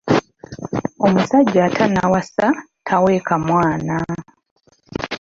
Omusajja atannawasa taweeka mwana.